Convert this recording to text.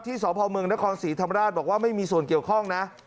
สพเมืองนครศรีธรรมราชบอกว่าไม่มีส่วนเกี่ยวข้องนะ